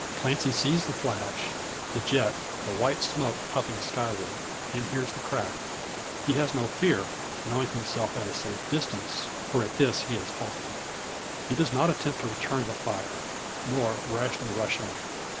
Clancy sees the flash, the jet, the white smoke puffing skyward; then hears the crack. He has no fear, knowing himself at a safe distance. For at this has he halted. He does not attempt to return the fire, nor rashly rush on.